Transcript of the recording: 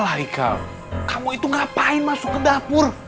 lari kamu itu ngapain masuk ke dapur